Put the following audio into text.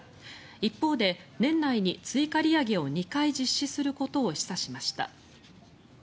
一方で、年内に追加利上げを２回実施することを示唆しました。